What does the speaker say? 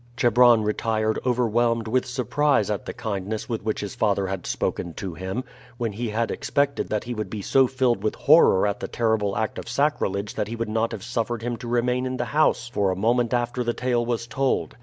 Chebron retired overwhelmed with surprise at the kindness with which his father had spoken to him, when he had expected that he would be so filled with horror at the terrible act of sacrilege that he would not have suffered him to remain in the house for a moment after the tale was told.